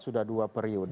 sudah dua periode